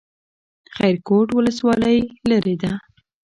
خیرکوټ ولسوالۍ لیرې ده؟